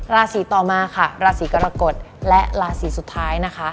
ราศีต่อมาค่ะราศีกรกฎและราศีสุดท้ายนะคะ